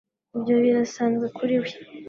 ibyo birasanzwe kuri we